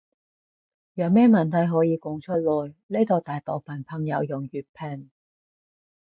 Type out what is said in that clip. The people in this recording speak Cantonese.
有咩問題可以講出來，呢度大部分朋友用粵拼